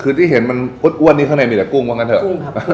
คือที่เห็นมันอ้วนข้างในมีแต่ไม่ออกเหมือนกันเถอะ